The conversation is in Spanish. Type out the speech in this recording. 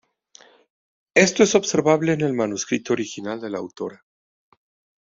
Esto es observable en el manuscrito original de la autora.